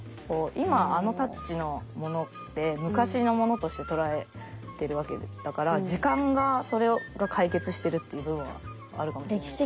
今あのタッチのものって昔のものとして捉えてるわけだから時間がそれを解決してるっていう部分はあるかもしれないですね。